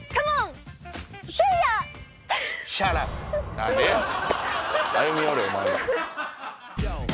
何でやねん！